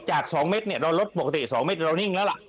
จาก๒เม็ดเนี่ยเราลดปกติ๒เมตรเรานิ่งแล้วล่ะ